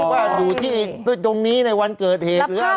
ว่าอยู่ที่ตรงนี้ในวันเกิดเหตุหรืออะไร